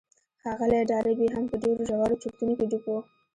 ښاغلی ډاربي هم په ډېرو ژورو چورتونو کې ډوب و.